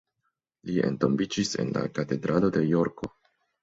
Li entombiĝis en la katedralo de Jorko.